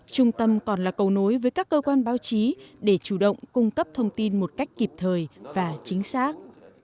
trung tâm còn là cầu nối với các cơ quan báo chí để chủ động cung cấp thông tin một cách kịp thời và chính xác